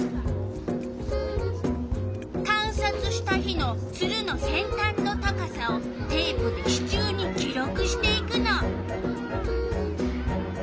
観察した日のツルの先端の高さをテープで支柱に記録していくの。